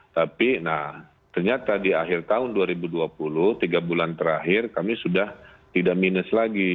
tapi nah ternyata di akhir tahun dua ribu dua puluh tiga bulan terakhir kami sudah tidak minus lagi